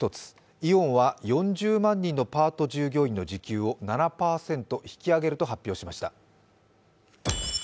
イオンは４０万人のパート従業員の時給を７％引き上げると発表しました。